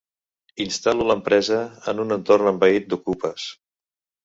Instal·lo l'empresa en un entorn envaït d'okupes.